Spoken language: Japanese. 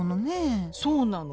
そうなの。